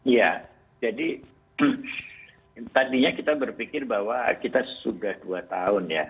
ya jadi tadinya kita berpikir bahwa kita sudah dua tahun ya